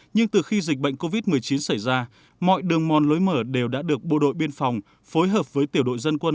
nhưng từ khi dịch bệnh covid một mươi chín xảy ra mọi đường mòn lối mở đều đã được bộ đội biên phòng phối hợp với tiểu đội dân quân